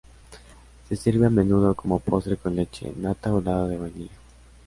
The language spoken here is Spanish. Se sirve a menudo como postre con leche, nata o helado de vainilla.